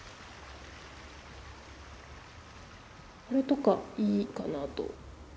これとかいいかなと。